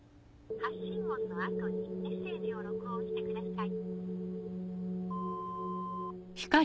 発信音の後にメッセージを録音してください。